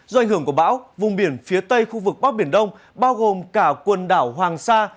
do ảnh hưởng của bão vùng biển phía tây khu vực bắc biển đông bao gồm cả quần đảo hoàng sa